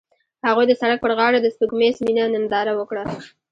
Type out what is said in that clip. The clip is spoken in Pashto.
هغوی د سړک پر غاړه د سپوږمیز مینه ننداره وکړه.